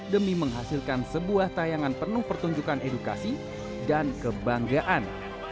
demi menghasilkan sebuah tayangan penuh pertunjukan edukasi dan kebanggaan